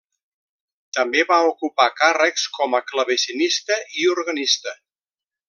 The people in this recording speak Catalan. També va ocupar càrrecs com a clavecinista i organista.